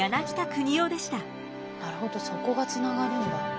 なるほどそこがつながるんだ。